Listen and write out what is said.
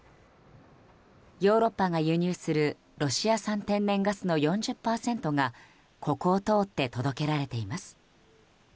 ヨーロッパが輸入するロシア産天然ガスの４０％がここを通って届けられています。